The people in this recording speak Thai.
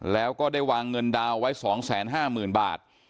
แล้วก็ได้วางเงินดาวน์ไว้๒๕๐๐๐บาท